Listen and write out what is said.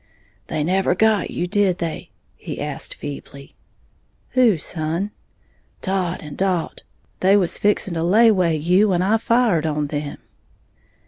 "They never got you, did they?" he asked, feebly. "Who, son?" "Todd and Dalt; they was fixing to layway you when I fired on them."